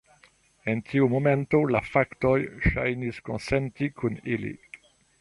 En tiu momento, la faktoj ŝajnis konsenti kun ili.